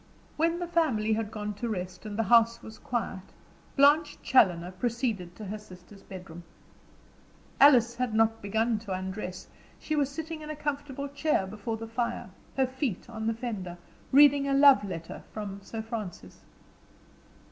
When the family had gone to rest, and the house was quiet, Blanche Challoner proceeded to her sister's bedroom. Alice had not begun to undress; she was sitting in a comfortable chair before the fire, her feet on the fender, reading a love letter from Sir Francis.